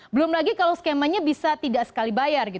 belum lagi kalau skemanya bisa tidak sekali bayar